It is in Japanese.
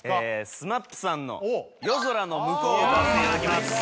ＳＭＡＰさんの「夜空ノムコウ」を歌わせていただきます